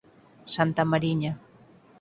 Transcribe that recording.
Santa Mariña.